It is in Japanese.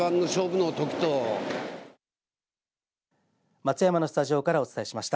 松山のスタジオからお伝えしました。